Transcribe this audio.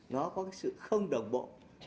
nó có sự không đồng bộ